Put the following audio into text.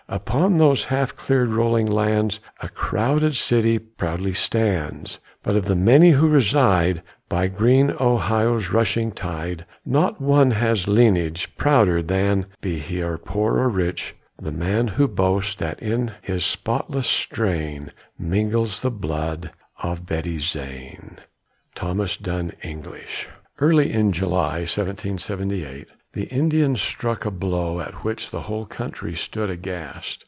Upon those half cleared, rolling lands, A crowded city proudly stands; But of the many who reside By green Ohio's rushing tide, Not one has lineage prouder than (Be he or poor or rich) the man Who boasts that in his spotless strain Mingles the blood of Betty Zane. THOMAS DUNN ENGLISH. Early in July, 1778, the Indians struck a blow at which the whole country stood aghast.